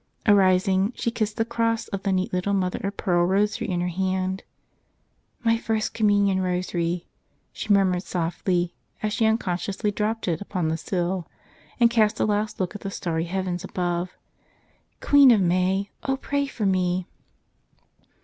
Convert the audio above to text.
Arising, she kissed the cross of the neat little mother of pearl rosary in her hand. "My First Communion Rosary,'' she murmured softly as she unconsciously dropped it upon the sill and cast a last look at the starry heavens above. "Queen of May, O pray for me!"